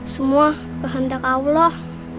semua kehendak allah